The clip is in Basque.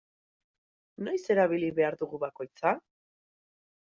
Noiz erabili behar dugu bakoitza?